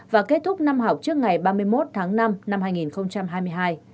và kết thúc năm học trước ngày ba mươi một tháng năm năm hai nghìn hai mươi hai